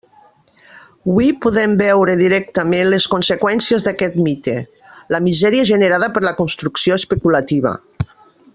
Hui podem veure directament les conseqüències d'aquest mite: la misèria generada per la construcció especulativa.